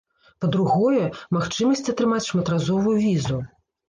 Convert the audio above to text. Па-другое, магчымасць атрымаць шматразовую візу.